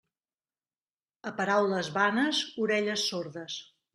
A paraules vanes, orelles sordes.